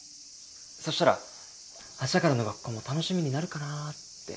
そしたら明日からの学校も楽しみになるかなって。